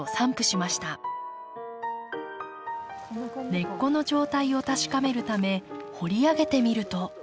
根っこの状態を確かめるため掘り上げてみると。